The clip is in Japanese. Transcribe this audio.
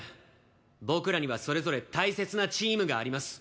僕らにはそれぞれ大切なチームがあります。